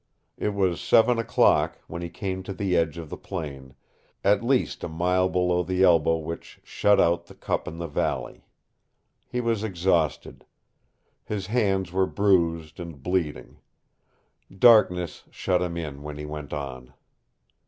It was seven o'clock when he came to the edge of the plain, at least a mile below the elbow which shut out the cup in the valley. He was exhausted. His hands were bruised and bleeding. Darkness shut him in when he went on.